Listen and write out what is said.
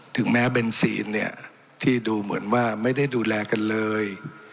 ถึงแม้เบนซีนเนี่ยที่ดูเหมือนว่าไม่ได้ดูแลกันเลย